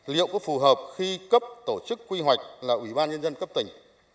liệu có phù hợp khi cấp tổ chức quy hoạch là ủy ban nhân dân cấp tỉnh